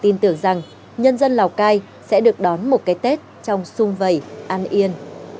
tin tưởng rằng nhân dân lào cai sẽ được đón một cái tết trong sung vầy an yên